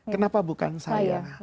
kenapa bukan saya